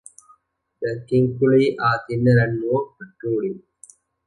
The cinguli are thinner and more protruding.